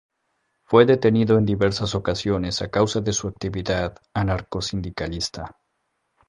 Fue detenido en diversas ocasiones a causa de su actividad anarcosindicalista.